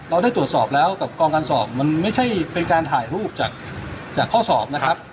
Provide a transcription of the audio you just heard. เราได้ตรวจสอบแล้วกับกองการสอบมันไม่ใช่เป็นการถ่ายรูปจากข้อสอบนะครับ